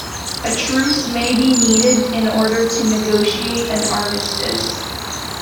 A truce may be needed in order to negotiate an armistice.